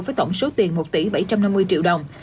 với tổng số tiền một tỷ bảy trăm năm mươi triệu đồng